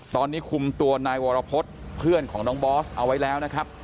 ตอนนี้คุมตัวนายวรพฤษเพื่อนของน้องบอสเอาไว้แล้วนะครับ